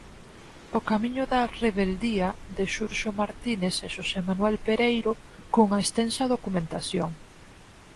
O camiño da rebeldía, de Xurxo Martínez e Xosé Manuel Pereiro, cunha extensa documentación.